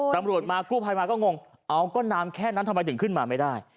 ตำรวจมากู้ภัยมาก็งงเอาก็น้ำแค่นั้นทำไมถึงขึ้นมาไม่ได้